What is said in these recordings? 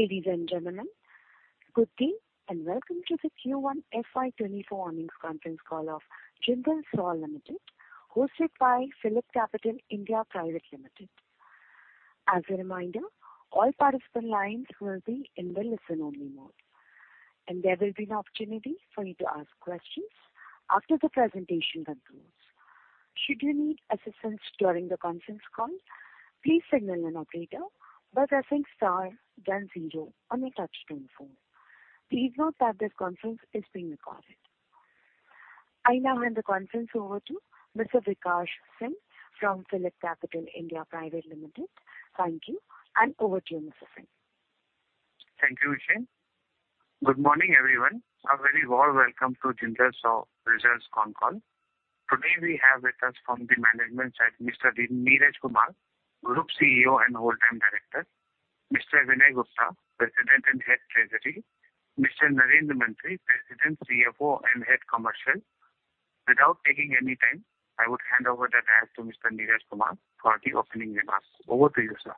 Ladies and gentlemen, good day, and welcome to the Q1 FY 2024 earnings conference call of Jindal SAW Limited, hosted by PhillipCapital India Private Limited. As a reminder, all participant lines will be in the listen-only mode, and there will be an opportunity for you to ask questions after the presentation concludes. Should you need assistance during the conference call, please signal an operator by pressing star then zero on your touchtone phone. Please note that this conference is being recorded. I now hand the conference over to Mr. Vikas Singh from PhillipCapital India Private Limited. Thank you, and over to you, Mr. Singh. Thank you, Ushin. Good morning, everyone. A very warm welcome to Jindal SAW results con call. Today we have with us from the management side, Mr. Neeraj Kumar, Group CEO and Whole Time Director, Mr. Vinay Gupta, President and Head Treasury, Mr. Narendra Mantri, President, CFO, and Head Commercial. Without taking any time, I would hand over the dial to Mr. Neeraj Kumar for the opening remarks. Over to you, sir.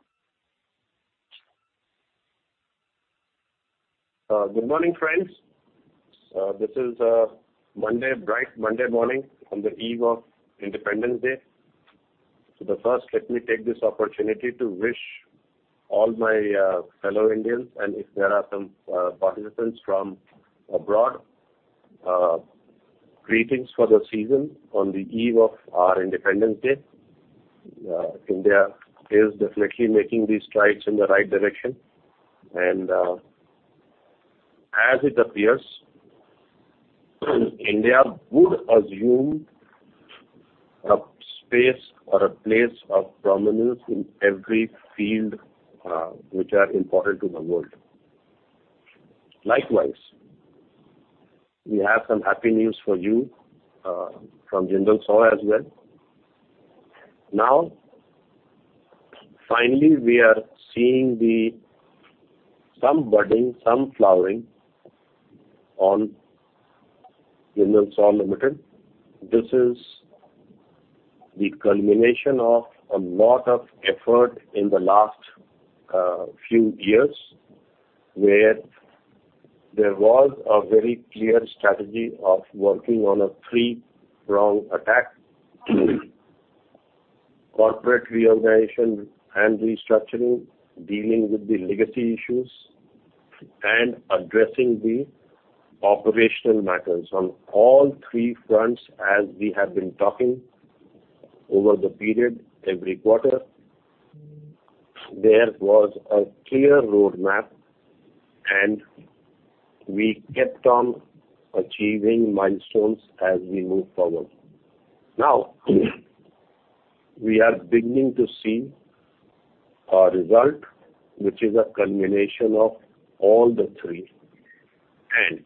Good morning, friends. This is a Monday, bright Monday morning on the eve of Independence Day. The first, let me take this opportunity to wish all my fellow Indians, and if there are some participants from abroad, greetings for the season on the eve of our Independence Day. India is definitely making these strides in the right direction, as it appears, India would assume a space or a place of prominence in every field, which are important to the world. Likewise, we have some happy news for you from Jindal SAW as well. Finally, we are seeing the some budding, some flowering on Jindal SAW Limited. This is the culmination of a lot of effort in the last few years, where there was a very clear strategy of working on a three-prong attack: corporate reorganization and restructuring, dealing with the legacy issues, and addressing the operational matters. On all three fronts, as we have been talking over the period, every quarter, there was a clear roadmap, and we kept on achieving milestones as we move forward. Now, we are beginning to see a result, which is a culmination of all the three, and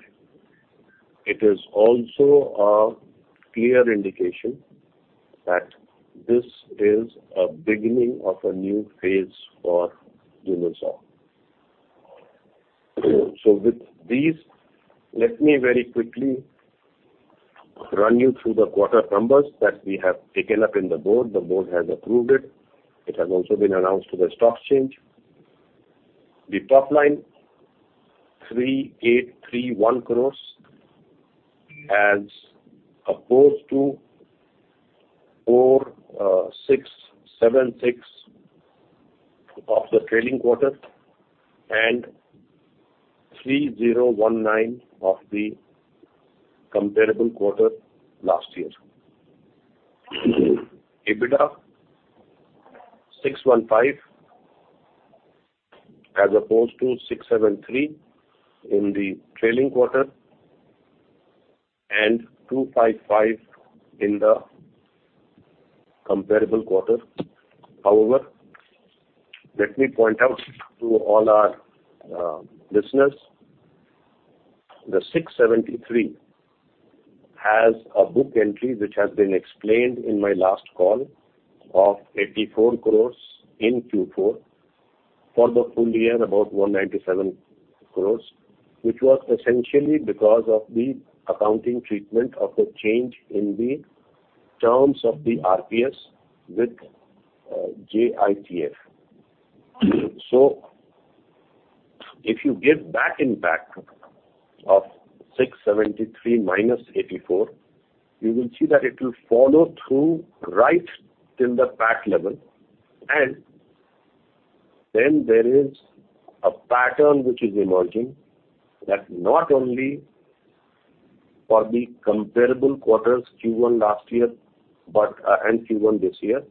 it is also a clear indication that this is a beginning of a new phase for Jindal SAW. With these, let me very quickly run you through the quarter numbers that we have taken up in the board. The board has approved it. It has also been announced to the stock exchange. The top line, 3,831 crores, as opposed to 4,676 crores of the trailing quarter and 3,019 crores of the comparable quarter last year. EBITDA, 615 crores, as opposed to 673 crores in the trailing quarter and 255 crores in the comparable quarter. However, let me point out to all our listeners, the 673 crores has a book entry, which has been explained in my last call of 84 crores in Q4. For the full year, about 197 crores, which was essentially because of the accounting treatment of the change in the terms of the RPS with JITF. If you give back impact of 673 crores minus 84 crores, you will see that it will follow through right till the PAT level. Then there is a pattern which is emerging, that not only for the comparable quarters, Q1 last year, but, and Q1 this year,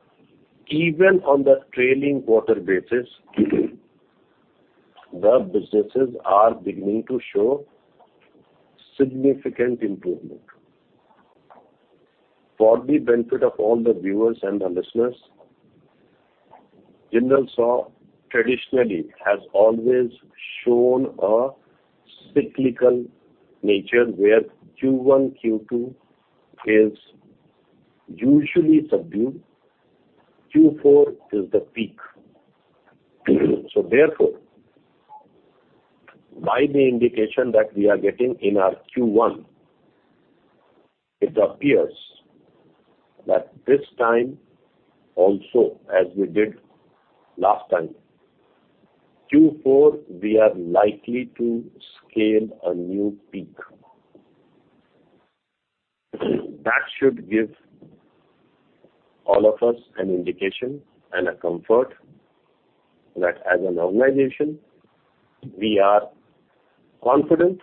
even on the trailing quarter basis, the businesses are beginning to show significant improvement. For the benefit of all the viewers and the listeners, Jindal SAW traditionally has always shown a cyclical nature, where Q1, Q2 is usually subdued, Q4 is the peak. Therefore, by the indication that we are getting in our Q1. It appears that this time also, as we did last time, Q4, we are likely to scale a new peak. That should give all of us an indication and a comfort that as an organization, we are confident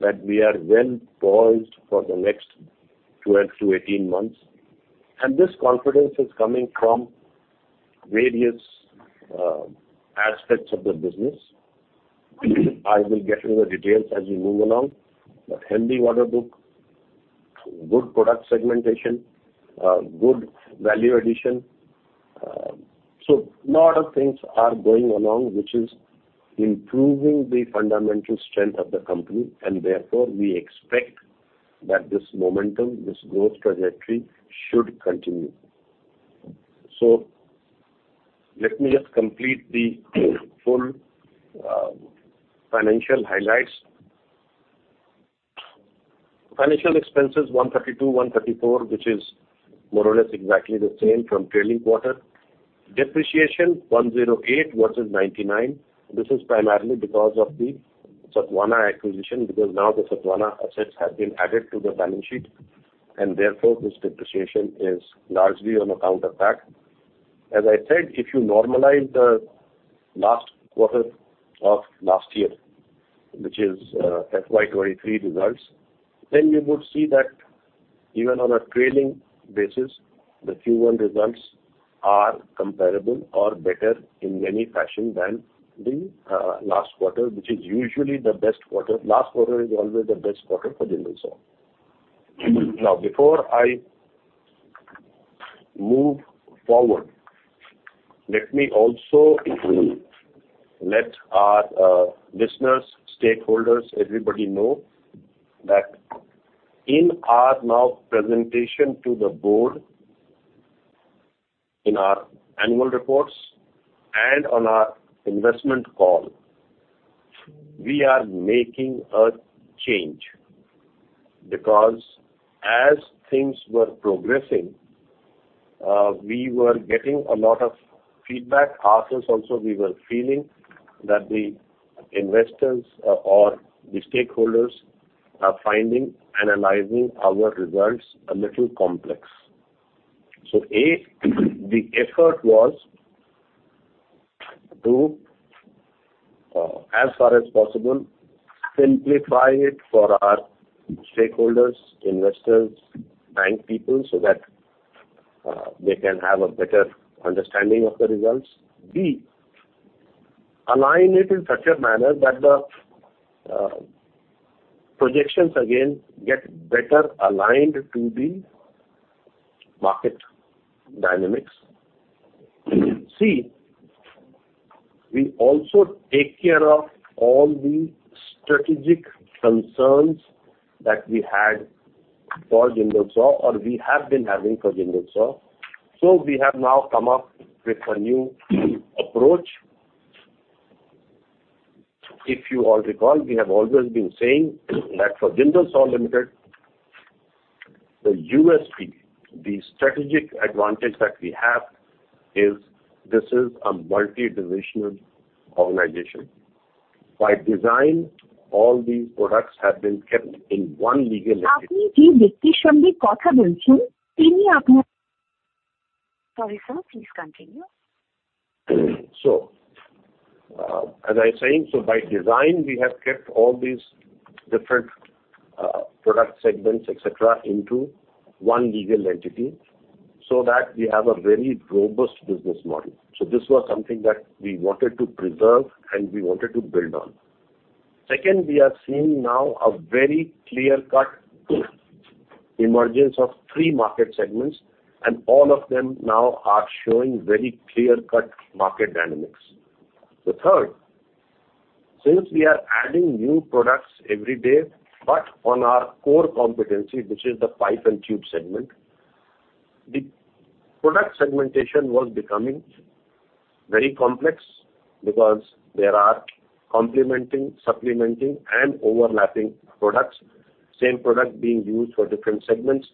that we are well poised for the next 12-18 months, and this confidence is coming from various aspects of the business. I will get into the details as we move along. Healthy order book, good product segmentation, good value addition. Lot of things are going along, which is improving the fundamental strength of the company, and therefore, we expect that this momentum, this growth trajectory, should continue. Let me just complete the full financial highlights. Financial expenses, 132 crores, 134 crores, which is more or less exactly the same from trailing quarter. Depreciation, 108 crores versus 99 crores. This is primarily because of the Sathavahana acquisition, because now the Sathavahana assets have been added to the balance sheet, and therefore, this depreciation is largely on account of that. As I said, if you normalize the last quarter of last year, which is FY 2023 results, then you would see that even on a trailing basis, the Q1 results are comparable or better in many fashion than the last quarter, which is usually the best quarter. Last quarter is always the best quarter for Jindal SAW. Before I move forward, let me also let our listeners, stakeholders, everybody know that in our now presentation to the board, in our annual reports and on our investment call, we are making a change. As things were progressing, we were getting a lot of feedback. Us as also, we were feeling that the investors or, or the stakeholders are finding analyzing our results a little complex. A, the effort was to, as far as possible, simplify it for our stakeholders, investors, bank people, so that, they can have a better understanding of the results. B, align it in such a manner that the, projections again get better aligned to the market dynamics. C, we also take care of all the strategic concerns that we had for Jindal SAW, or we have been having for Jindal SAW. We have now come up with a new approach. If you all recall, we have always been saying that for Jindal SAW Limited, the USP, the strategic advantage that we have, is this is a multi-divisional organization. By design, all these products have been kept in one legal entity. Sorry, sir, please continue. As I was saying, by design, we have kept all these different product segments, et cetera, into one legal entity, so that we have a very robust business model. This was something that we wanted to preserve and we wanted to build on. Second, we are seeing now a very clear-cut emergence of three market segments, and all of them now are showing very clear-cut market dynamics. The third, since we are adding new products every day, but on our core competency, which is the pipe and tube segment, the product segmentation was becoming very complex because there are complementing, supplementing and overlapping products, same product being used for different segments,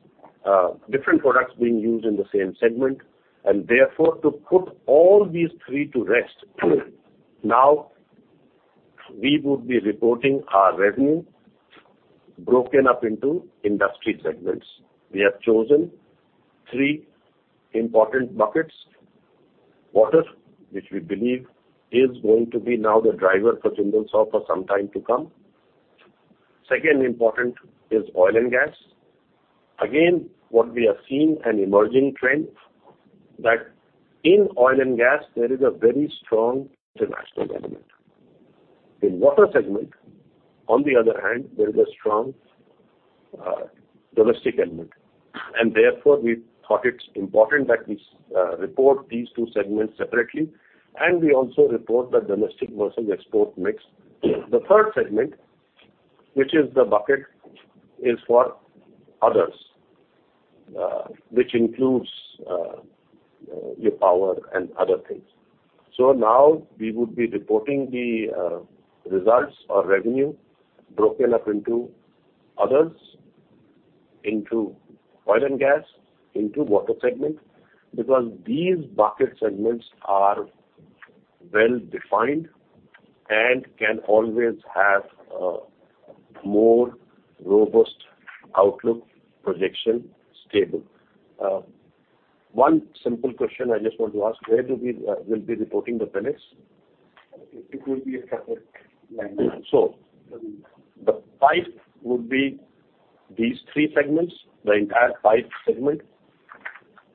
different products being used in the same segment. Therefore, to put all these three to rest, now we would be reporting our revenue broken up into industry segments. We have chosen three important buckets: Water, which we believe is going to be now the driver for Jindal SAW for some time to come. Second important is oil and gas. Again, what we have seen an emerging trend, that in oil and gas, there is a very strong international element. In water segment, on the other hand, there is a strong, domestic element. Therefore, we thought it's important that we report these two segments separately, and we also report the domestic versus export mix. The third segment, which is the bucket, is for others. which includes, the power and other things. Now we would be reporting the, results or revenue broken up into others, into oil and gas, into water segment. Because these market segments are well defined and can always have a more robust outlook projection stable. One simple question I just want to ask: Where do we will be reporting the pellets? It will be a separate line. The pipe would be these three segments, the entire pipe segment.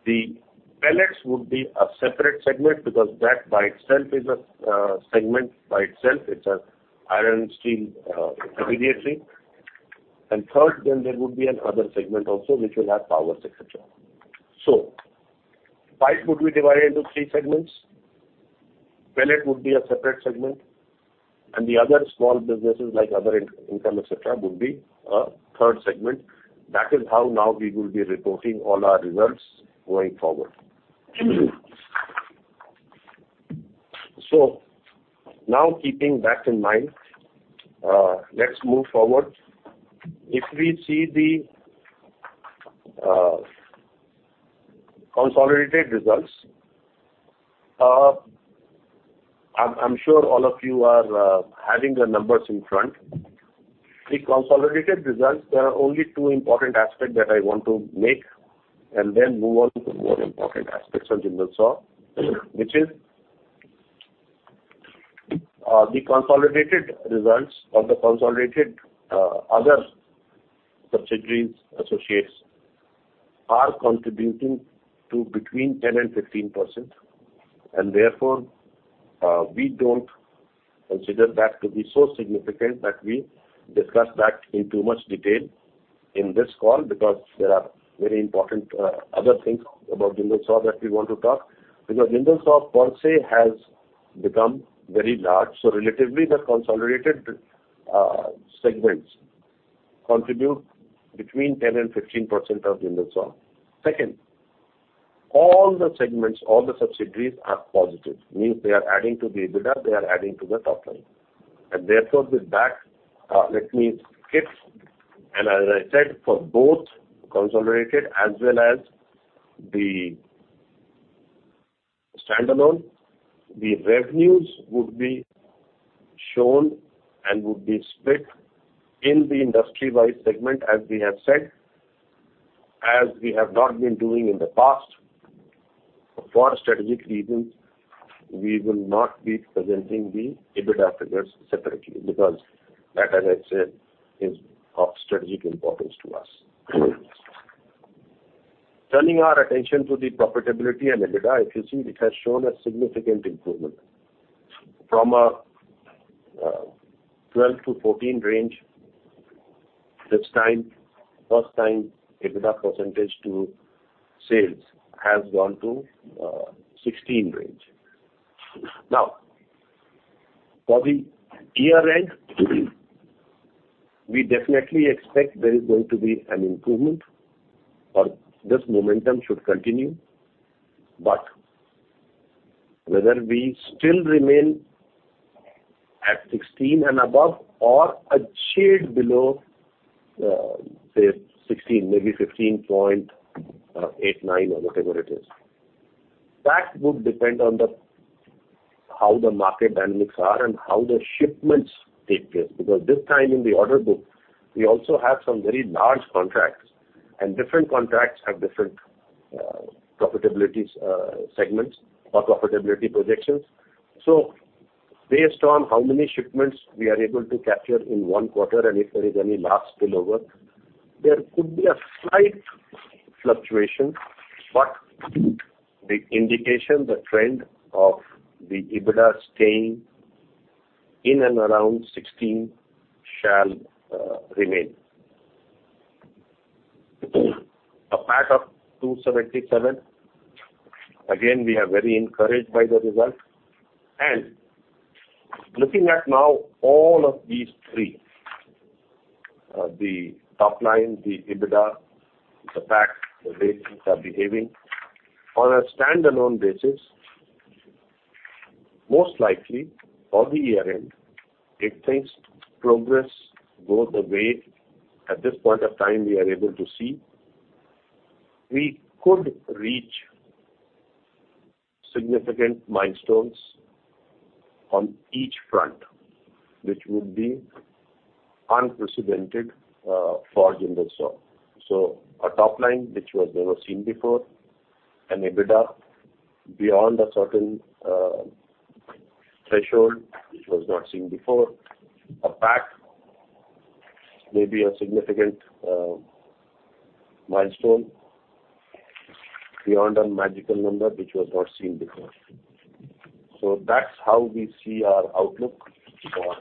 The pellets would be a separate segment, because that by itself is a segment by itself, it's an iron, steel, immediately. Third, then there would be an other segment also, which will have power, et cetera. Pipe would be divided into three segments, pellet would be a separate segment, and the other small businesses, like other in-income, et cetera, would be a third segment. That is how now we will be reporting all our results going forward. Now keeping that in mind, let's move forward. If we see the consolidated results, I'm sure all of you are having the numbers in front. The consolidated results, there are only two important aspect that I want to make, and then move on to more important aspects of Jindal SAW, which is, the consolidated results or the consolidated other subsidiaries, associates, are contributing to between 10% and 15%. Therefore, we don't consider that to be so significant that we discuss that in too much detail in this call, because there are very important other things about Jindal SAW that we want to talk. Because Jindal SAW per se, has become very large, so relatively the consolidated segments contribute between 10% and 15% of Jindal SAW. Second, all the segments, all the subsidiaries are positive, means they are adding to the EBITDA, they are adding to the top line. Therefore, with that, let me skip. As I said, for both consolidated as well as the standalone, the revenues would be shown and would be split in the industry-wide segment, as we have said. As we have not been doing in the past, for strategic reasons, we will not be presenting the EBITDA figures separately, because that, as I said, is of strategic importance to us. Turning our attention to the profitability and EBITDA, if you see, it has shown a significant improvement. From a 12%-14% range, this time, first time, EBITDA percentage to sales has gone to a 16% range. For the year end, we definitely expect there is going to be an improvement, or this momentum should continue. Whether we still remain at 16% and above or a shade below, say 16%, maybe 15.8%-9%, or whatever it is. That would depend on how the market dynamics are and how the shipments take place. This time in the order book, we also have some very large contracts, and different contracts have different profitability segments or profitability projections. Based on how many shipments we are able to capture in one quarter, and if there is any large spillover, there could be a slight fluctuation. The indication, the trend of the EBITDA staying in and around 16 crores shall remain. A PAT of 277 crores, again, we are very encouraged by the result. Looking at now all of these three, the top line, the EBITDA, the PAT, the way things are behaving on a standalone basis, most likely for the year end, if things progress, go the way at this point of time we are able to see, we could reach significant milestones on each front, which would be unprecedented, for Jindal SAW. A top line which was never seen before, an EBITDA beyond a certain threshold which was not seen before, a PAT, maybe a significant milestone beyond a magical number which was not seen before. That's how we see our outlook for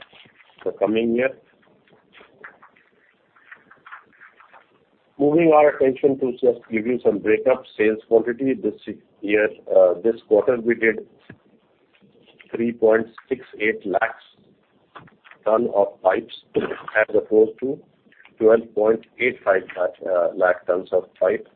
the coming year. Moving our attention to just give you some breakup sales quantity. This year, this quarter, we did 3.68 lakh tons of pipes as opposed to 12.85 lakh tons of pipe.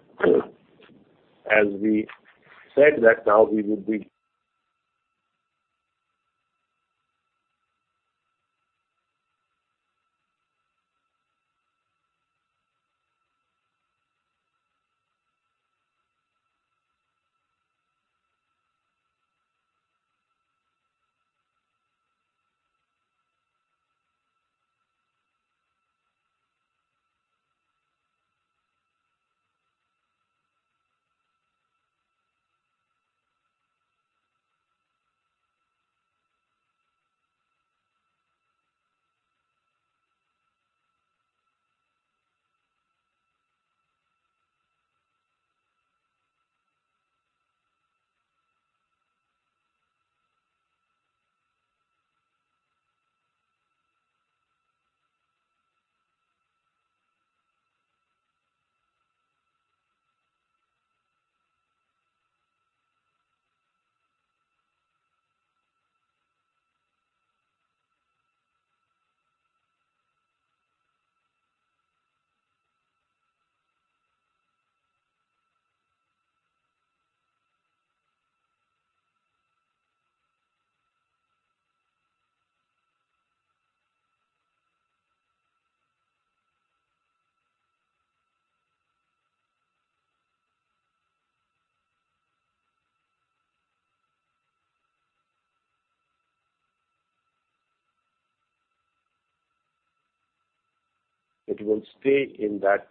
As we said that now It will stay in that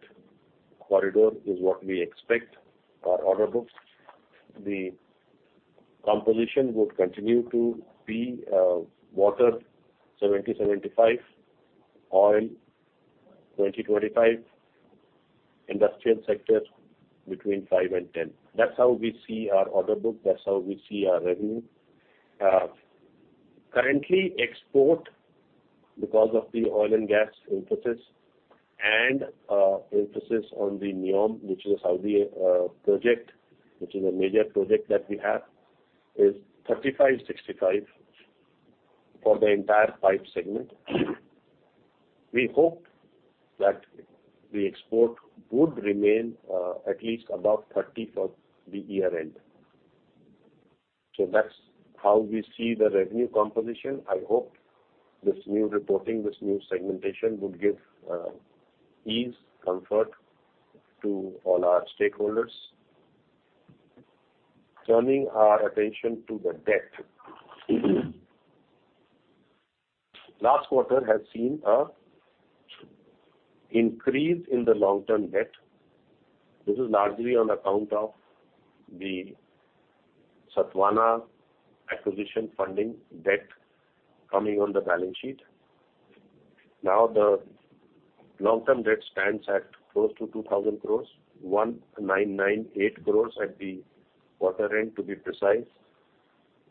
corridor, is what we expect our order books. The composition would continue to be, water 70%-75%, oil 20%-25%, industrial sector between 5% and 10%. That's how we see our order book, that's how we see our revenue. Currently, export, because of the oil and gas emphasis and emphasis on the NEOM, which is a Saudi project, which is a major project that we have, is 35%, 65% for the entire pipe segment. We hope that the export would remain at least above 30% for the year end. That's how we see the revenue composition. I hope this new reporting, this new segmentation, would give ease, comfort to all our stakeholders. Turning our attention to the debt. Last quarter has seen a increase in the long-term debt. This is largely on account of the Sathavahana acquisition funding debt coming on the balance sheet. Now, the long-term debt stands at close to 2,000 crore, 1,998 crore at the quarter end, to be precise.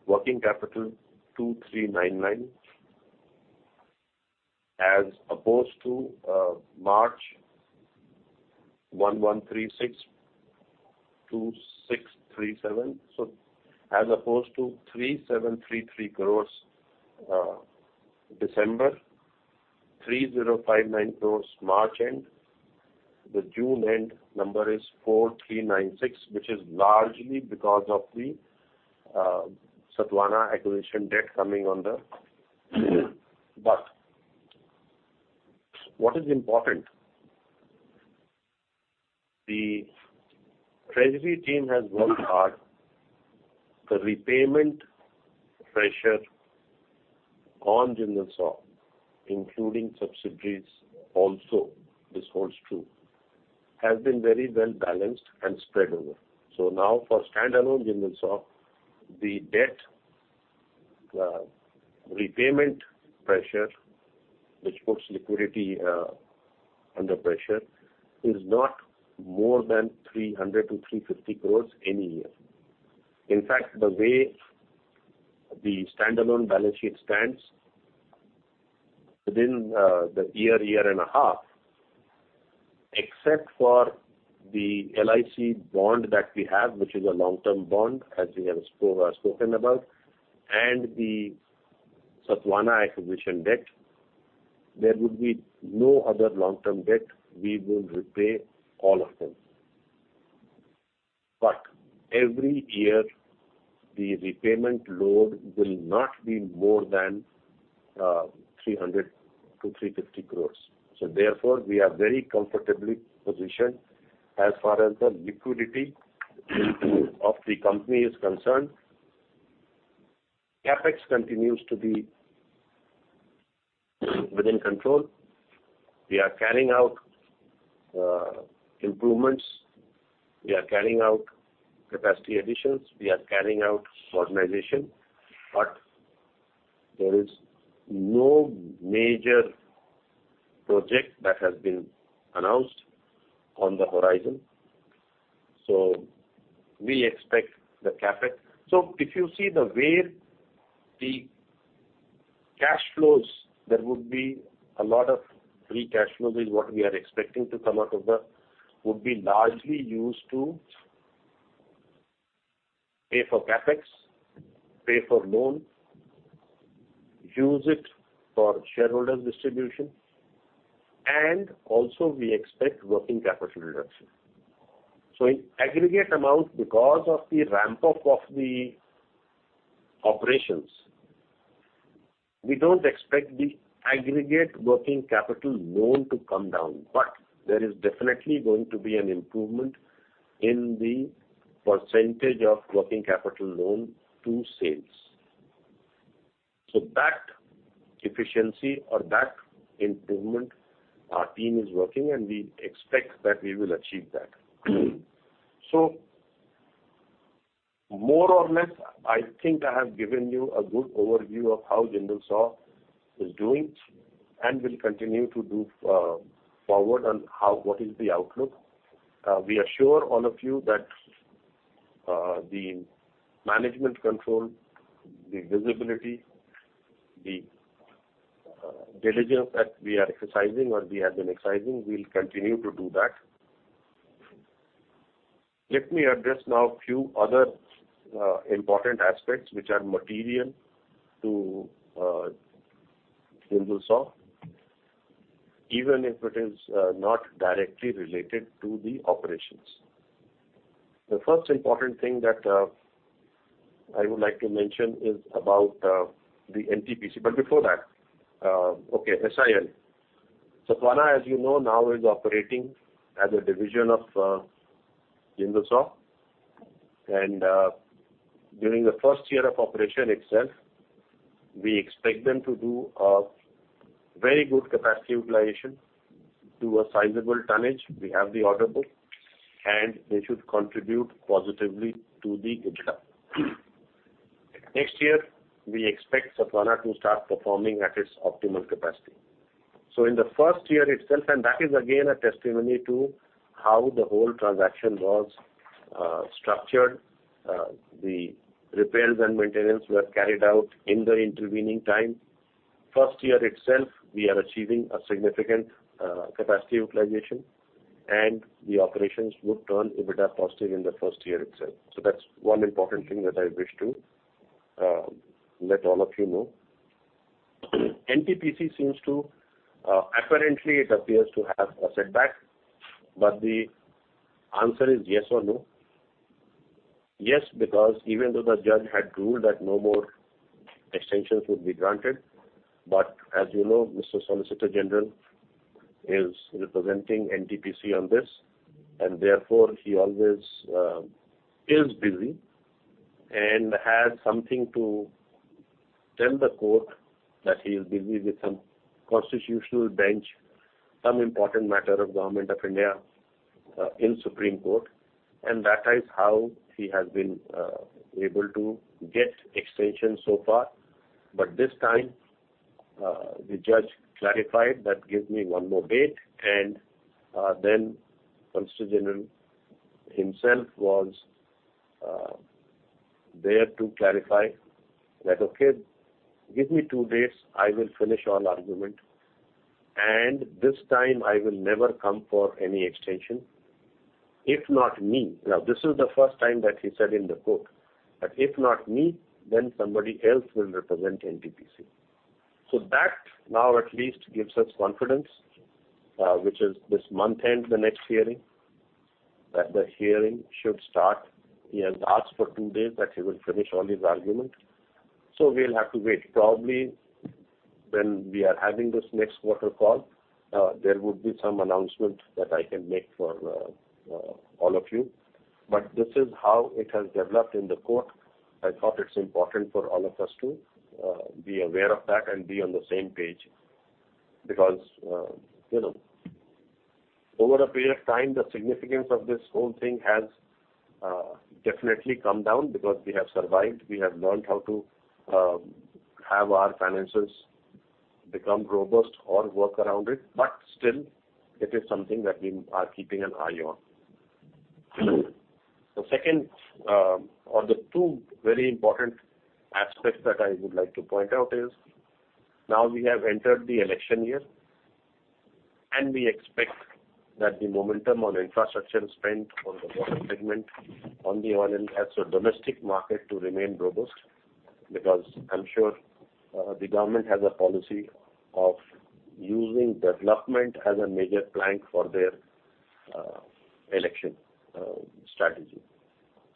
Working capital, 2,399 crore, as opposed to March, 11,362,637 crore. As opposed to 3,733 crore, December, 3,059 crore, March end. The June end number is 4,396 crore, which is largely because of the Sathavahana acquisition debt coming on the... What is important, the treasury team has worked hard. The repayment pressure on Jindal SAW, including subsidiaries also, this holds true, has been very well balanced and spread over. Now, for standalone Jindal SAW, the debt repayment pressure, which puts liquidity under pressure, is not more than 300 crore-350 crore any year. In fact, the way the standalone balance sheet stands, within the year, year and a half, except for the LIC bond that we have, which is a long-term bond, as we have spoken about, and the Sathavahana acquisition debt, there would be no other long-term debt. We will repay all of them. Every year, the repayment load will not be more than 300 crore-350 crore. Therefore, we are very comfortably positioned as far as the liquidity of the company is concerned. CapEx continues to be within control. We are carrying out improvements, we are carrying out capacity additions, we are carrying out modernization, but there is no major project that has been announced on the horizon. We expect the CapEx. If you see the way the cash flows, there would be a lot of free cash flows is what we are expecting to come out of the would be largely used to pay for CapEx, pay for loan, use it for shareholder distribution, and also we expect working capital reduction. In aggregate amount, because of the ramp-up of the operations, we don't expect the aggregate working capital loan to come down, but there is definitely going to be an improvement in the % of working capital loan to sales. That efficiency or that improvement, our team is working, and we expect that we will achieve that. More or less, I think I have given you a good overview of how Jindal SAW is doing and will continue to do, forward, and how what is the outlook. We assure all of you that the management control, the visibility, the diligence that we are exercising or we have been exercising, we'll continue to do that. Let me address now a few other important aspects which are material to Jindal SAW, even if it is not directly related to the operations. The first important thing that I would like to mention is about the NTPC. Before that, okay, SIL. Sathavahana, as you know, now is operating as a division of Jindal SAW. During the first year of operation itself, we expect them to do a very good capacity utilization to a sizable tonnage. We have the order book, and they should contribute positively to the EBITDA. Next year, we expect Sathavahana to start performing at its optimal capacity. In the first year itself, and that is again a testimony to how the whole transaction was structured, the repairs and maintenance were carried out in the intervening time. First year itself, we are achieving a significant capacity utilization, and the operations would turn EBITDA positive in the first year itself. That's one important thing that I wish to let all of you know. NTPC seems to apparently it appears to have a setback, but the answer is yes or no? Yes, because even though the judge had ruled that no more extensions would be granted, but as you know, Mr. Solicitor General is representing NTPC on this. Therefore, he always is busy and had something to tell the court that he is busy with some constitutional bench, some important matter of Government of India in Supreme Court, and that is how he has been able to get extension so far. This time, the judge clarified that, "Give me one more date." Then Solicitor General himself was there to clarify that, "Okay, give me two days, I will finish all argument. This time I will never come for any extension. If not me..." Now, this is the first time that he said in the court that, "If not me, then somebody else will represent NTPC." That now at least gives us confidence, which is this month end, the next hearing, that the hearing should start. He has asked for two days that he will finish all his argument. We'll have to wait. Probably, when we are having this next quarter call, there would be some announcement that I can make for all of you. This is how it has developed in the court. I thought it's important for all of us to be aware of that and be on the same page. You know, over a period of time, the significance of this whole thing has definitely come down because we have survived, we have learned how to have our finances become robust or work around it, but still, it is something that we are keeping an eye on. The second, or the two very important aspects that I would like to point out is, now we have entered the election year, and we expect that the momentum on infrastructure spend on the water segment, on the oil and gas or domestic market to remain robust, because I'm sure, the government has a policy of using development as a major plank for their election strategy.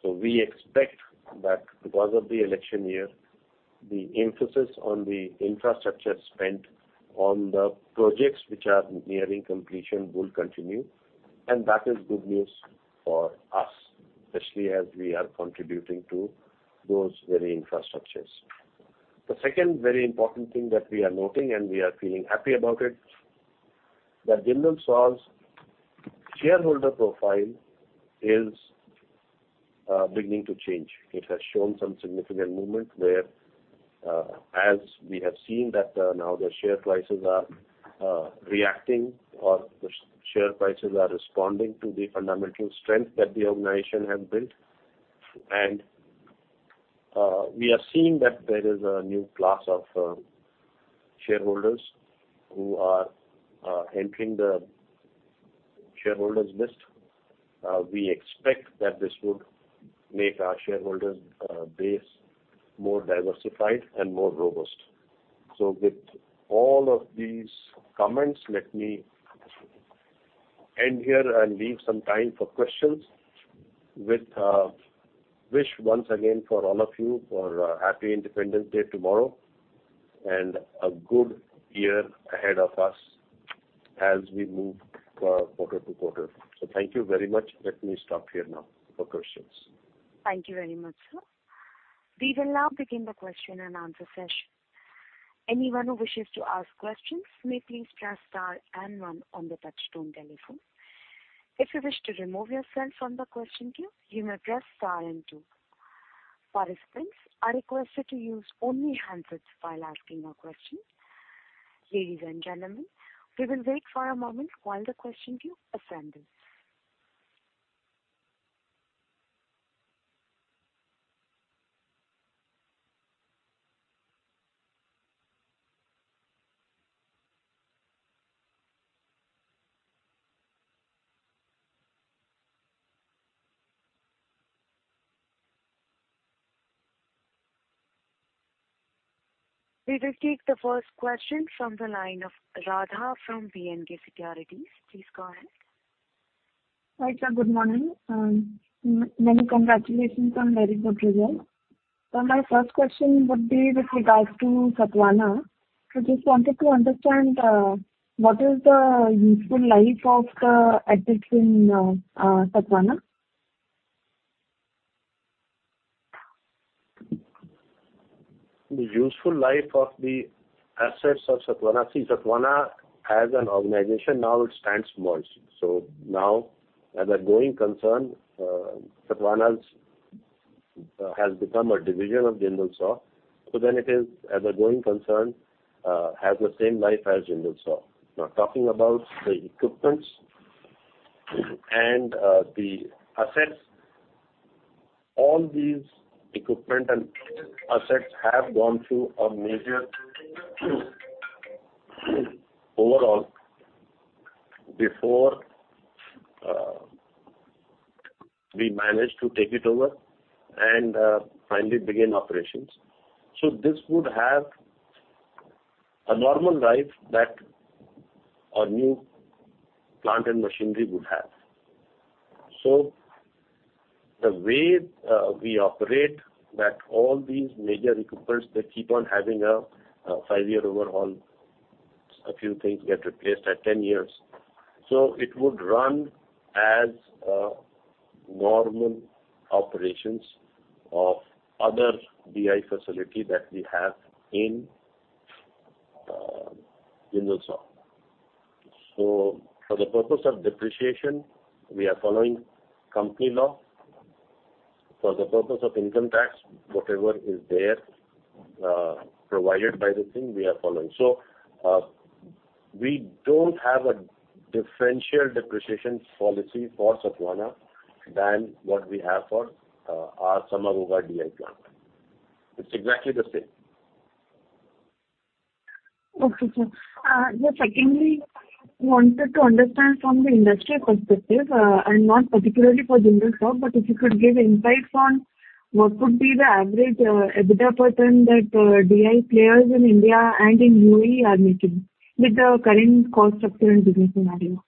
We expect that because of the election year, the emphasis on the infrastructure spend on the projects which are nearing completion will continue, and that is good news for us, especially as we are contributing to those very infrastructures. The second very important thing that we are noting, and we are feeling happy about it, that Jindal SAW's shareholder profile is beginning to change. It has shown some significant movement where, as we have seen that, now the share prices are reacting or the share prices are responding to the fundamental strength that the organization have built. We are seeing that there is a new class of shareholders who are entering the shareholders list. We expect that this would make our shareholders base more diversified and more robust. With all of these comments, let me end here and leave some time for questions, with wish once again for all of you for Happy Independence Day tomorrow, and a good year ahead of us as we move quarter to quarter. Thank you very much. Let me stop here now for questions. Thank you very much, sir. We will now begin the question-and-answer session. Anyone who wishes to ask questions may please press star and one on the touchtone telephone. If you wish to remove yourself from the question queue, you may press star and two. Participants are requested to use only handsets while asking a question. Ladies and gentlemen, we will wait for a moment while the question queue assembles. We will take the first question from the line of Radha from B&K Securities. Please go ahead. Hi, sir. Good morning, many congratulations on very good result. My first question would be with regards to Sathavahana. I just wanted to understand, what is the useful life of the assets in Sathavahana? The useful life of the assets of Sathavahana. See, Sathavahana as an organization, now it stands merged. Now, as a going concern, Sathavahana's has become a division of Jindal SAW. Then it is, as a going concern, has the same life as Jindal SAW. Now, talking about the equipments and the assets, all these equipment and assets have gone through a major overhaul before we managed to take it over and finally begin operations. This would have a normal life that a new plant and machinery would have. The way we operate, that all these major equipments, they keep on having a five-year overhaul, a few things get replaced at 10 years. It would run as normal operations of other DI facility that we have in Jindal SAW. For the purpose of depreciation, we are following company law. For the purpose of income tax, whatever is there, provided by the thing, we are following. We don't have a differential depreciation policy for Sathavahana than what we have for, our Samaghogha DI plant. It's exactly the same. Okay, sir. Secondly, I wanted to understand from the industry perspective, and not particularly for Jindal SAW, but if you could give insights on what would be the average EBITDA % that DI players in India and in UAE are making with the current cost structure and business scenario?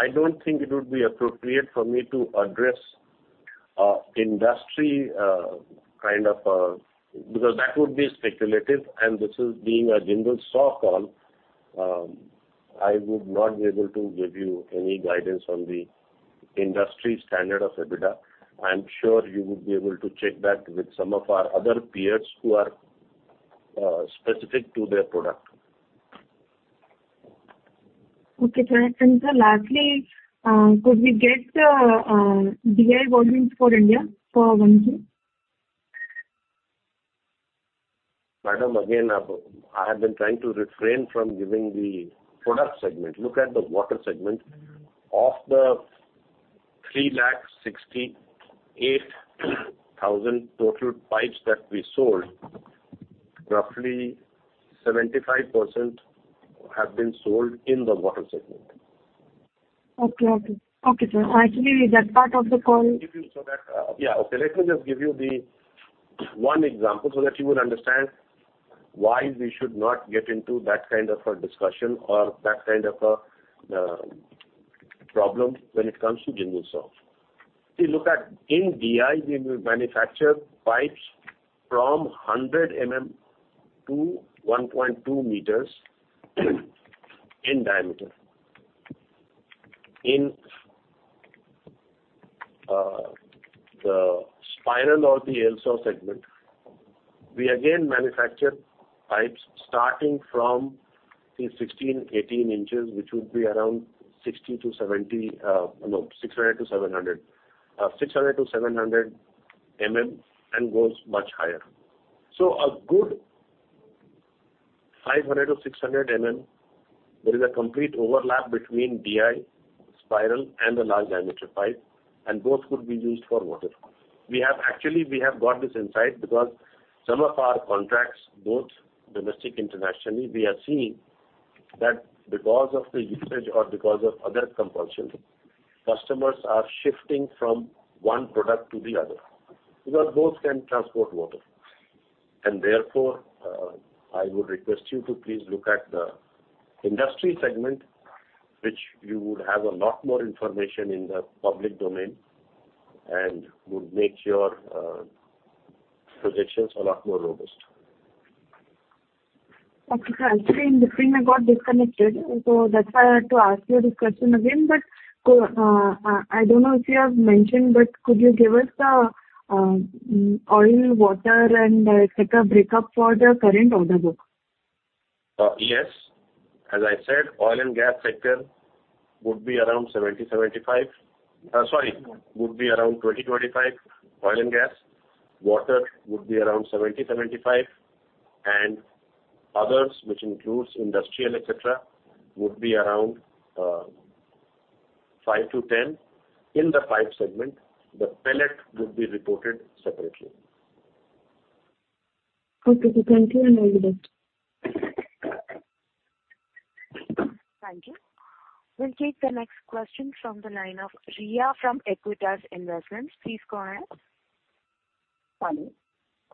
I don't think it would be appropriate for me to address, industry, kind of. Because that would be speculative, and this is being a Jindal SAW call, I would not be able to give you any guidance on the industry standard of EBITDA. I'm sure you would be able to check that with some of our other peers who are, specific to their product. Okay, sir. Sir, lastly, could we get DI volumes for India for one year? Madam, again, I've, I have been trying to refrain from giving the product segment. Look at the water segment. Of the 368,000 total pipes that we sold, roughly 75% have been sold in the water segment. Okay. Okay. Okay, sir. Actually, with that part of the call- Give you so that. Yeah, okay. Let me just give you the one example, so that you would understand why we should not get into that kind of a discussion or that kind of a problem when it comes to Jindal SAW. If you look at, in DI, we manufacture pipes from 100 mm to 1.2 m in diameter. In the spiral or the LSAW segment, we again manufacture pipes starting from, say, 16, 18 inches, which would be around 600-700, 600 mm-700 mm, and goes much higher. A good 500 mm-600 mm, there is a complete overlap between DI spiral and a large diameter pipe, and both could be used for water. Actually, we have got this insight because some of our contracts, both domestic, internationally, we are seeing that because of the usage or because of other compulsion, customers are shifting from one product to the other, because both can transport water. Therefore, I would request you to please look at the industry segment, which you would have a lot more information in the public domain and would make your projections a lot more robust. Okay. Actually, in between I got disconnected, so that's why I had to ask you this question again. I don't know if you have mentioned, but could you give us the oil, water, and sector breakup for the current order book? Yes. As I said, oil and gas sector would be around 70%-75%. Sorry, would be around 20%-25%, oil and gas. Water would be around 70%-75%, and others, which includes industrial, et cetera, would be around 5%-10% in the pipe segment. The pellet would be reported separately. Okay, sir. Thank you, and all the best. Thank you. We'll take the next question from the line of Riya from Aequitas Investments. Please go ahead. Hello.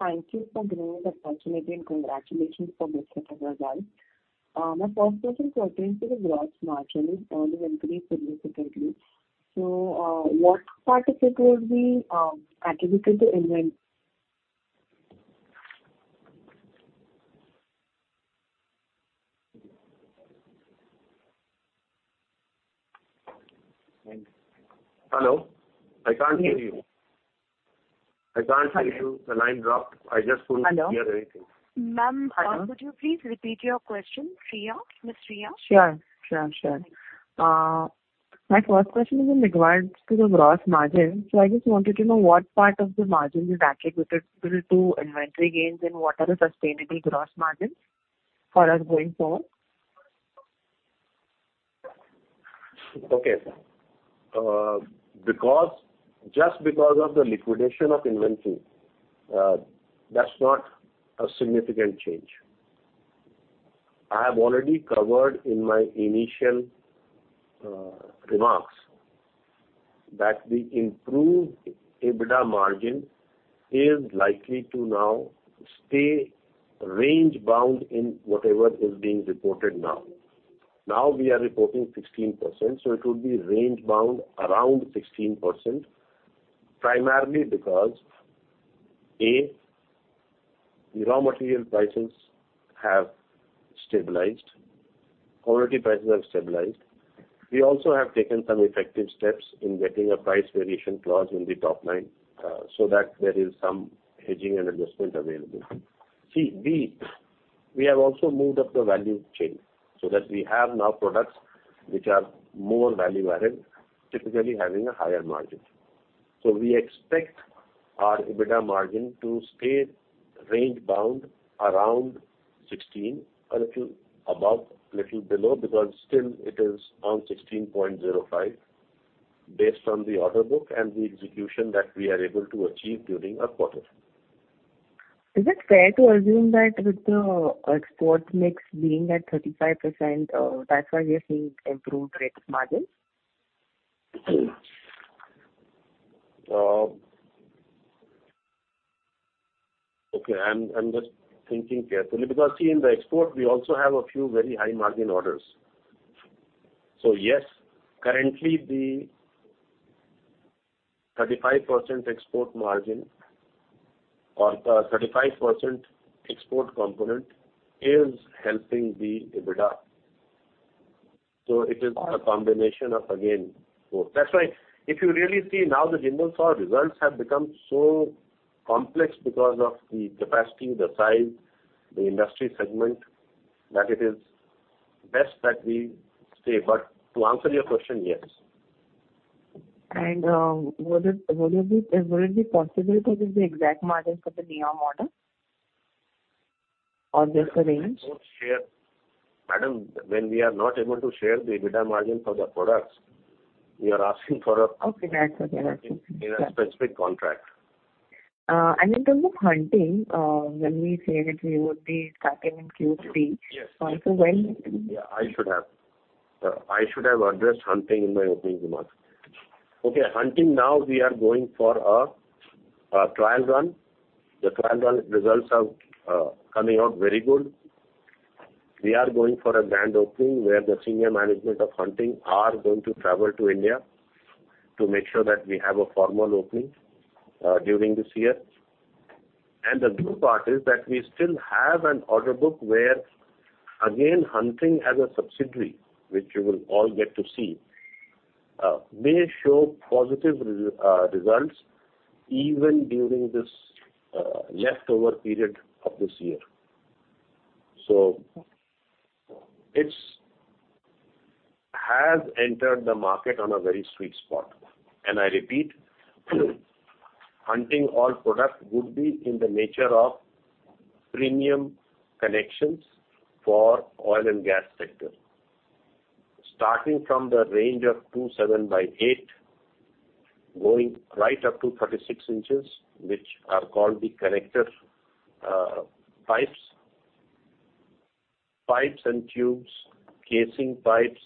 Thank you for giving the opportunity, and congratulations for this quarter result. My first question pertains to the gross margin, it increased significantly. What part of it will be attributable to invent? Hello, I can't hear you. I can't hear you. Hello. The line dropped. I just couldn't- Hello? hear anything. Ma'am, could you please repeat your question, Riya? Ms. Riya. Sure, sure, sure. My first question is in regards to the gross margin. I just wanted to know what part of the margin is attributable to inventory gains, and what are the sustainable gross margins for us going forward? Okay. Because-- just because of the liquidation of inventory, that's not a significant change. I have already covered in my initial remarks that the improved EBITDA margin is likely to now stay range-bound in whatever is being reported now. Now we are reporting 16%, so it would be range-bound around 16%, primarily because, A, the raw material prices have stabilized, quality prices have stabilized. We also have taken some effective steps in getting a price variation clause in the top line, so that there is some hedging and adjustment available. See, B, we have also moved up the value chain, so that we have now products which are more value-added, typically having a higher margin. We expect our EBITDA margin to stay range-bound around 16%, a little above, little below, because still it is on 16.05%, based on the order book and the execution that we are able to achieve during a quarter. Is it fair to assume that with the export mix being at 35%, that's why we are seeing improved rate of margins? Okay, I'm, I'm just thinking carefully, because, see, in the export, we also have a few very high-margin orders. Yes, currently, the 35% export margin or 35% export component is helping the EBITDA. It is a combination of, again, both. That's why if you really see now, the Jindal SAW results have become so complex because of the capacity, the size, the industry segment, that it is best that we say. To answer your question, yes. Would it, would it be, would it be possible to give the exact margin for the NEOM model or just a range? Madam, when we are not able to share the EBITDA margin for the products, we are asking for. Okay, that's okay. In a specific contract. In terms of Hunting, when we say that we would be starting in Q3- Yes. When? Yeah, I should have. I should have addressed Hunting in my opening remarks. Hunting now we are going for a trial run. The trial run results are coming out very good. We are going for a grand opening, where the senior management of Hunting are going to travel to India to make sure that we have a formal opening during this year. The good part is that we still have an order book where, again, Hunting as a subsidiary, which you will all get to see, may show positive results even during this leftover period of this year. It's has entered the market on a very sweet spot. I repeat, Hunting all products would be in the nature of premium connections for oil and gas sector. Starting from the range of two, 7/8, going right up to 36 inches, which are called the connector pipes. Pipes and tubes, casing pipes,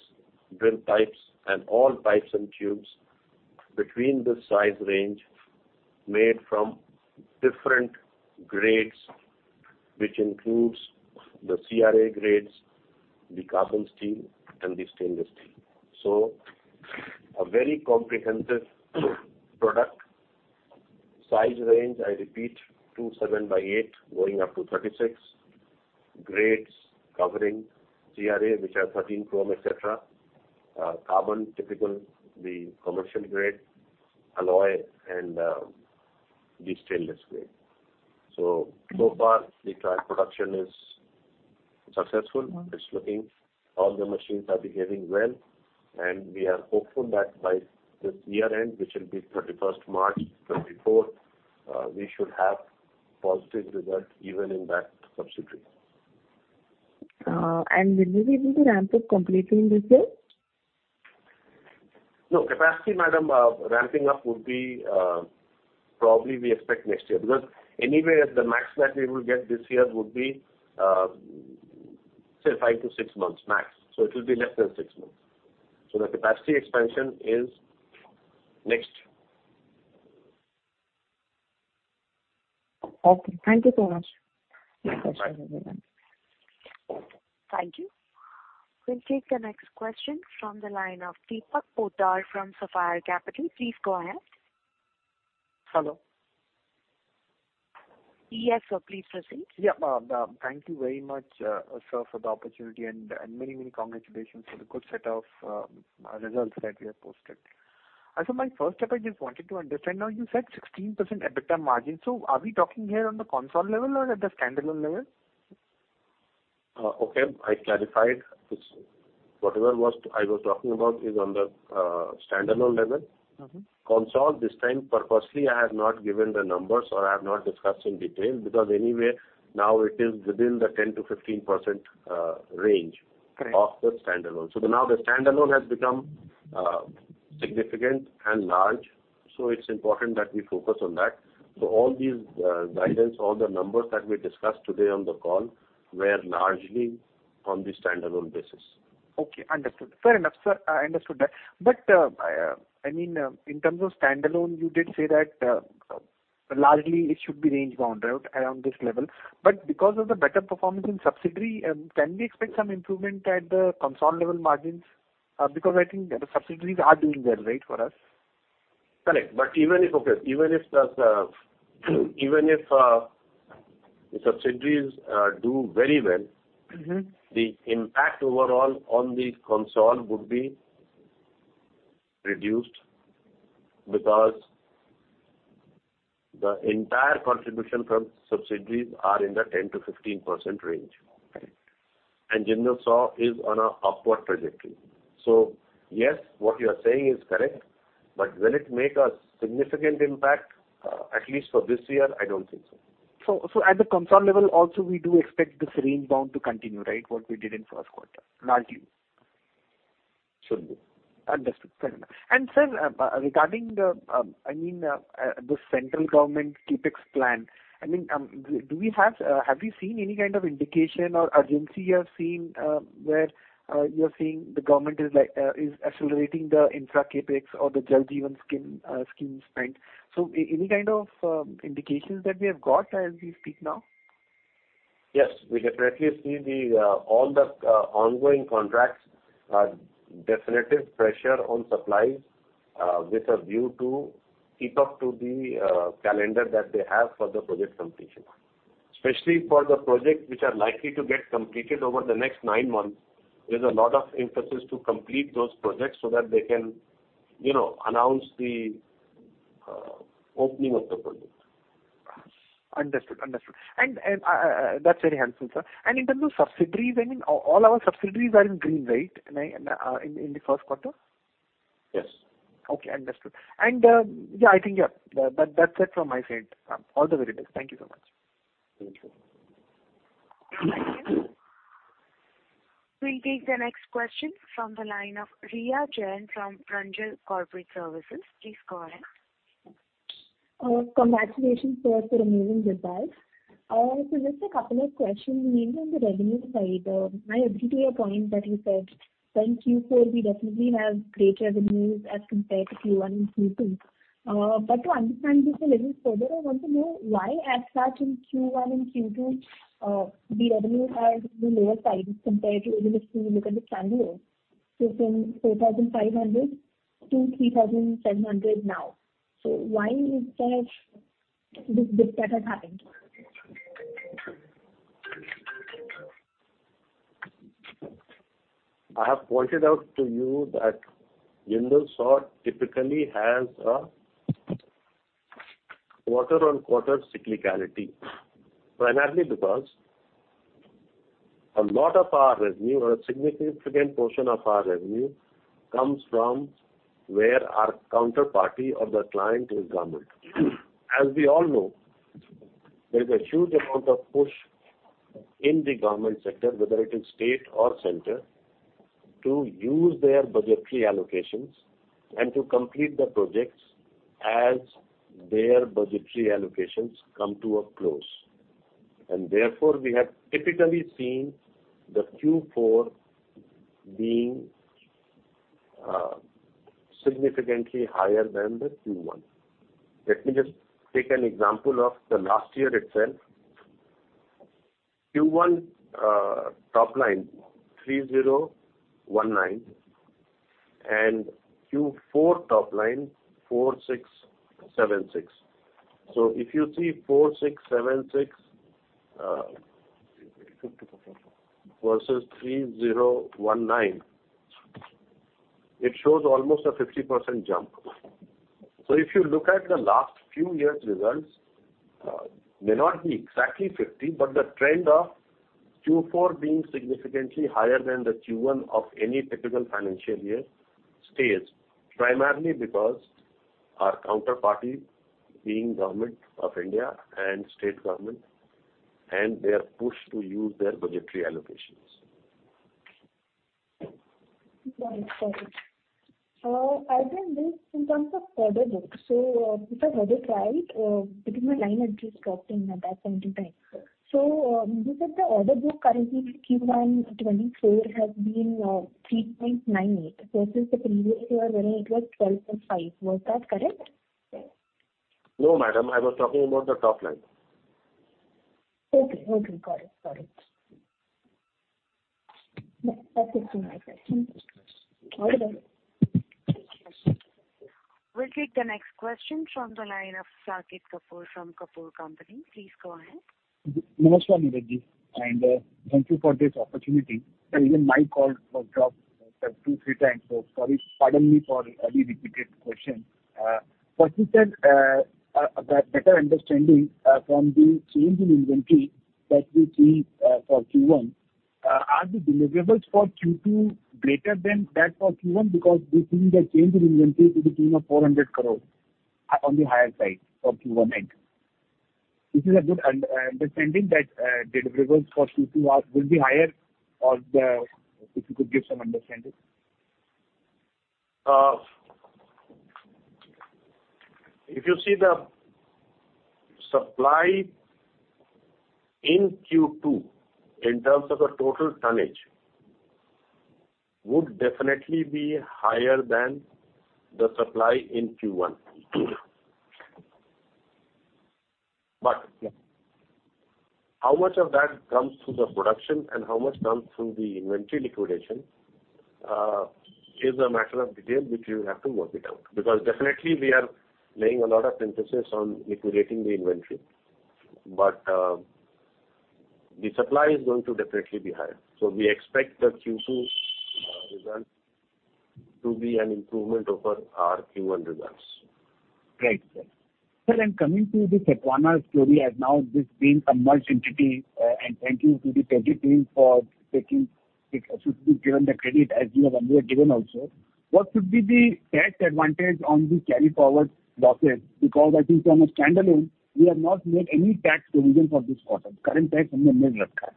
drill pipes, and all pipes and tubes between this size range made from different grades, which includes the CRA grades, the carbon steel, and the stainless steel. A very comprehensive product. Size range, I repeat, two, 7/8, going up to 36. Grades covering CRA, which are thirteen chrome, et cetera, carbon, typical the commercial grade, alloy, and the stainless grade. So far, the trial production is successful. It's looking all the machines are behaving well, and we are hopeful that by this year-end, which will be 31st March 2024, we should have positive results even in that subsidiary. will you be able to ramp it completely in this year? No, capacity, madam, ramping up would be, probably we expect next year. Anyway, the max that we will get this year would be, say, five to six months, max. It will be less than six months. The capacity expansion is next year. Okay, thank you so much. You're welcome. Thank you. We'll take the next question from the line of Deepak Poddar from Sapphire Capital. Please go ahead. Hello. Yes, sir, please proceed. Yeah, thank you very much, sir, for the opportunity and, and many, many congratulations for the good set of results that you have posted. My first step, I just wanted to understand, now, you said 16% EBITDA margin. Are we talking here on the console level or at the standalone level? Okay, I clarified this. Whatever I was talking about is on the standalone level. Mm-hmm. Console, this time, purposely, I have not given the numbers, or I have not discussed in detail, because anyway, now it is within the 10%-15% range. Correct. -of the standalone. Now the standalone has become significant and large, so it's important that we focus on that. All these guidance, all the numbers that we discussed today on the call were largely on the standalone basis. Okay, understood. Fair enough, sir, I understood that. I mean, in terms of standalone, you did say that, largely it should be range bound around this level. Because of the better performance in subsidiary, can we expect some improvement at the console level margins? Because I think the subsidiaries are doing well, right, for us? Correct. Even if, okay, even if the, even if, the subsidiaries, do very well- Mm-hmm. The impact overall on the console would be reduced because the entire contribution from subsidiaries are in the 10%-15% range. Correct. Jindal SAW is on an upward trajectory. Yes, what you are saying is correct, but will it make a significant impact, at least for this year? I don't think so. So at the console level also, we do expect this range bound to continue, right? What we did in first quarter, largely. Should be. Understood. Fair enough. Sir, regarding the, I mean, the central government CapEx plan, I mean, do we have... have you seen any kind of indication or urgency you have seen, where, you're seeing the government is like, is accelerating the infra CapEx or the Jal Jeevan scheme, scheme spend? Any, any kind of, indications that we have got as we speak now? Yes, we can practically see the, all the, ongoing contracts are definitive pressure on supplies, which are due to keep up to the, calendar that they have for the project completion. Especially for the projects which are likely to get completed over the next nine months, there's a lot of emphasis to complete those projects so that they can, you know, announce the, opening of the project. Understood, understood. That's very helpful, sir. In terms of subsidiaries, I mean, all our subsidiaries are in green, right, in, in the first quarter? Yes. Okay, understood. Yeah, I think, yeah, that, that's it from my side. All the very best. Thank you so much. Thank you. Thank you. We'll take the next question from the line of Riya Jain from Pranjal Corporate Services. Please go ahead. Congratulations, sir, for the amazing results. Just a couple of questions, mainly on the revenue side. I agree to your point that you said since Q4, we definitely have great revenues as compared to Q1 and Q2. To understand this a little further, I want to know why as such in Q1 and Q2, the revenue has the lower side compared to even if you look at the standalone. From 4,500 crore to 3,700 crore now. Why is that, this dip that has happened? I have pointed out to you that Jindal SAW typically has a quarter-on-quarter cyclicality, primarily because. A lot of our revenue or a significant portion of our revenue comes from where our counterparty or the client is government. As we all know, there is a huge amount of push in the government sector, whether it is state or center, to use their budgetary allocations and to complete the projects as their budgetary allocations come to a close. Therefore, we have typically seen the Q4 being significantly higher than the Q1. Let me just take an example of the last year itself. Q1 top line, 3,019 crore, and Q4 top line, 4,676 crore. If you see 4,676 crore versus 3,019 crore, it shows almost a 50% jump. If you look at the last few years' results, may not be exactly 50, but the trend of Q4 being significantly higher than the Q1 of any typical financial year stays, primarily because our counterparty being Government of India and state government, and they are pushed to use their budgetary allocations. Got it. Got it. I think this in terms of order book. If I got it right, between my line actually stopped in about 20 times. You said the order book currently for Q1 FY 2024 has been, 3.98 crore, versus the previous year when it was 12.5 crore. Was that correct? No, madam, I was talking about the top line. Okay, okay, got it. Got it. That's it for my question. All right. We'll take the next question from the line of Saket Kapoor from Kapoor & Company. Please go ahead. Namaskar, Nirajji, thank you for this opportunity. Even my call got dropped two, three times. Sorry, pardon me for any repeated question. We said that better understanding from the change in inventory that we see for Q1, are the deliverables for Q2 greater than that for Q1? Because we've seen the change in inventory to the tune of 400 crore on the higher side for Q1 end. Is it a good understanding that deliverables for Q2 are, will be higher, or if you could give some understanding? If you see the supply in Q2, in terms of the total tonnage, would definitely be higher than the supply in Q1. How much of that comes through the production and how much comes through the inventory liquidation, is a matter of detail which you have to work it out. Definitely we are laying a lot of emphasis on liquidating the inventory, but the supply is going to definitely be higher. We expect the Q2's results to be an improvement over our Q1 results. Right, sir. Sir, coming to the Sathavahana story, as now this being a merged entity, and thank you to the Peji team for taking... Should be given the credit, as you have already given also. What should be the tax advantage on the carry forward losses? Because I think from a standalone, we have not made any tax provision for this quarter. Current tax, nil lag raha hai.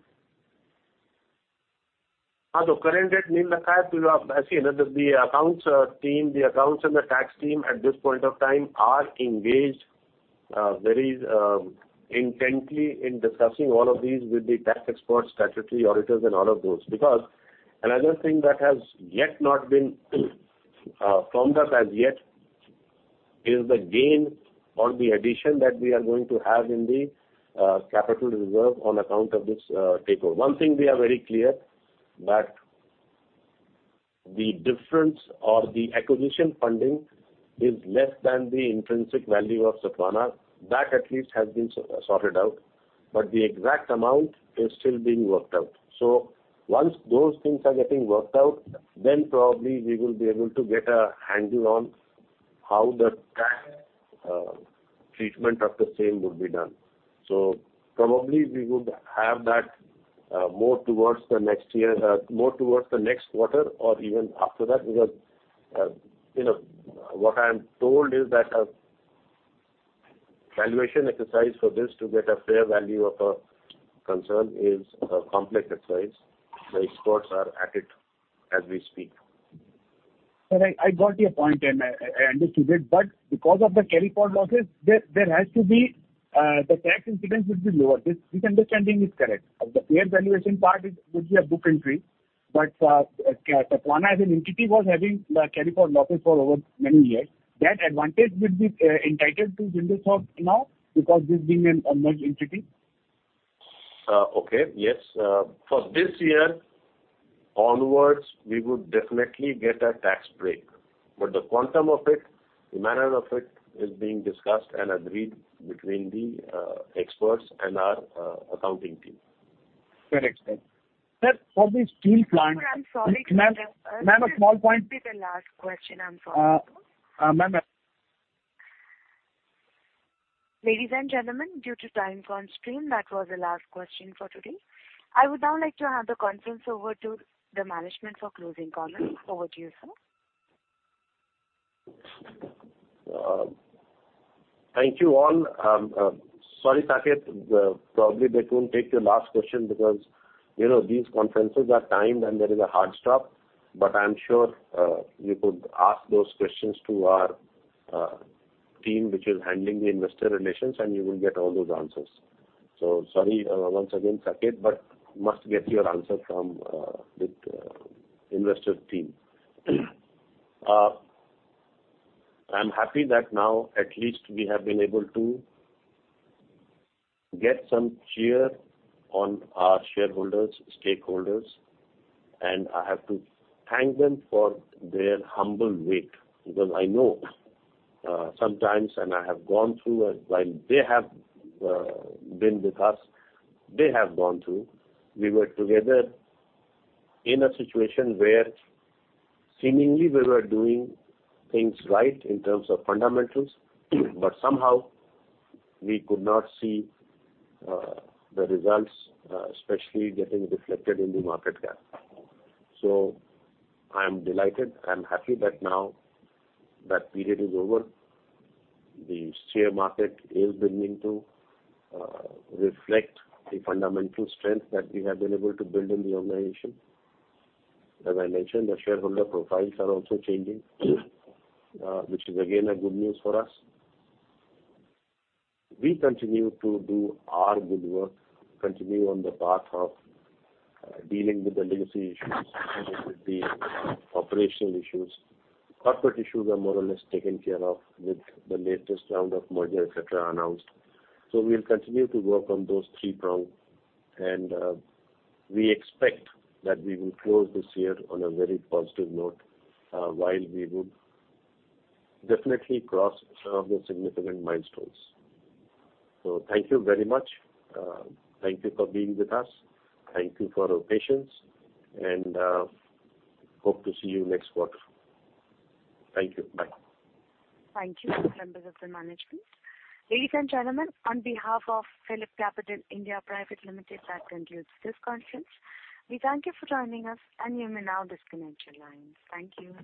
Yes, the current rate, nil lag raha hai. See, the accounts team, the accounts and the tax team at this point of time are engaged very intently in discussing all of these with the tax experts, statutory auditors, and all of those. Another thing that has yet not been formed as, as yet, is the gain or the addition that we are going to have in the capital reserve on account of this takeover. One thing we are very clear that the difference or the acquisition funding is less than the intrinsic value of Sathavahana. That at least has been sorted out, but the exact amount is still being worked out. Once those things are getting worked out, then probably we will be able to get a handle on how the tax treatment of the same would be done. Probably we would have that more towards the next year, more towards the next quarter or even after that. Because, you know, what I am told is that a valuation exercise for this to get a fair value of a concern is a complex exercise. The experts are at it as we speak. Sir, I, I got your point, and I, I understood it, but because of the carry forward losses, there, there has to be, the tax incidence would be lower. This understanding is correct? The fair valuation part would be a book entry, but Sathavahana as an entity was having the carry forward losses for over many years. That advantage would be entitled Jindal SAW now because this being a merged entity? Okay. Yes, for this year onwards, we would definitely get a tax break, but the quantum of it, the manner of it, is being discussed and agreed between the experts and our accounting team. Correct, sir. Sir, for the steel plant- I'm sorry to interrupt. Ma'am, ma'am, a small point. This will be the last question, I'm sorry. Uh, ma'am- Ladies and gentlemen, due to time constraint, that was the last question for today. I would now like to hand the conference over to the management for closing comments. Over to you, sir. Thank you, all. Sorry, Saket, probably they couldn't take your last question because, you know, these conferences are timed, and there is a hard stop. I'm sure, you could ask those questions to our team, which is handling the investor relations, and you will get all those answers. Sorry, once again, Saket, but must get your answer from the investor team. I'm happy that now at least we have been able to get some cheer on our shareholders, stakeholders, and I have to thank them for their humble wait. I know, sometimes, and I have gone through as well, they have been with us, they have gone through. We were together in a situation where seemingly we were doing things right in terms of fundamentals, but somehow we could not see the results, especially getting reflected in the market cap. I am delighted. I am happy that now that period is over. The share market is beginning to reflect the fundamental strength that we have been able to build in the organization. As I mentioned, the shareholder profiles are also changing, which is again a good news for us. We continue to do our good work, continue on the path of dealing with the legacy issues, dealing with the operational issues. Corporate issues are more or less taken care of with the latest round of merger, et cetera, announced. We'll continue to work on those three prongs, and we expect that we will close this year on a very positive note, while we would definitely cross some of the significant milestones. Thank you very much. Thank you for being with us. Thank you for your patience, and hope to see you next quarter. Thank you. Bye. Thank you, members of the management. Ladies and gentlemen, on behalf of PhillipCapital (India) Private Limited, that concludes this conference. We thank you for joining us, and you may now disconnect your lines. Thank you.